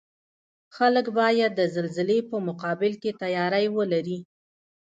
خلک باید د زلزلې په مقابل کې تیاری ولري